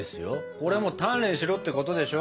これはもう鍛錬しろってことでしょ？